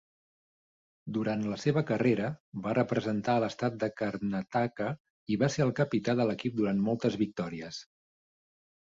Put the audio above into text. Durant la seva carrera, va representar a l'estat de Karnataka i va ser el capità de l'equip durant moltes victòries.